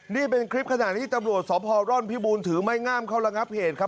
นี่เป็นคลิปขณะที่ตำรวจสพร่อนพิบูลถือไม้งามเข้าระงับเหตุครับ